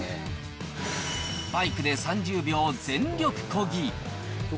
バイクで３０秒全力こぎ。